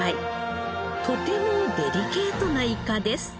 とてもデリケートなイカです。